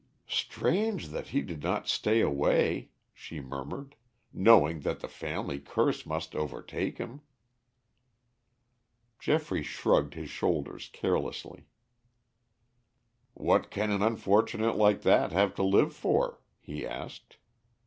"Strange that he did not stay away," she murmured, "knowing that the family curse must overtake him." Geoffrey shrugged his shoulders carelessly. "What can an unfortunate like that have to live for?" he asked.